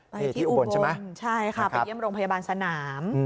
ไปที่อุบลใช่ค่ะไปเยี่ยมโรงพยาบาลสนาม